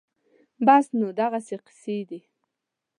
بس نو دغسې قېصې دي